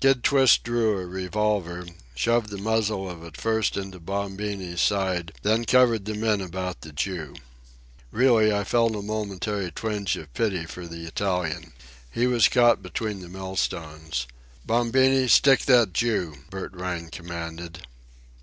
Kid Twist drew a revolver, shoved the muzzle of it first into Bombini's side, then covered the men about the Jew. Really, I felt a momentary twinge of pity for the Italian. He was caught between the mill stones, "Bombini, stick that Jew," Bert Rhine commanded.